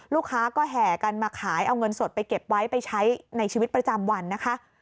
ลูกค้าก็แห่กันมาขายเอาเงินสดไปเก็บไว้ไปใช้ในชีวิตประจำวันนะคะ